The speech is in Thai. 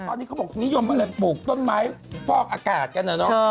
ตอนนี้เขาบอกนิยมก็เลยปลูกต้นไม้ฟอกอากาศกันนะเนอะ